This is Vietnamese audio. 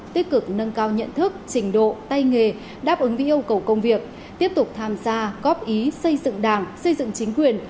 tích cực nâng cao nhận thức trình độ tay nghề đáp ứng với yêu cầu công việc tiếp tục tham gia góp ý xây dựng đảng xây dựng chính quyền